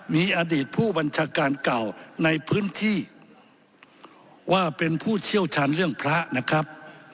มีอดีตผู้บัญชาการเก่าในพื้นที่ว่าเป็นผู้เชี่ยวชาญเรื่องพระนะครับ